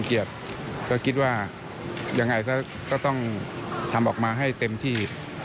ก็คิดว่าอย่างไรซะก็ต้องทำออกมาให้เต็มที่